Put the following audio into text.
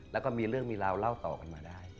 แล้วก็มีเรื่องมีราวเล่าต่อกันมาได้